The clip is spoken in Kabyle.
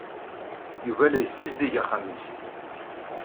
Yuba la yessizdig axxam-nnes.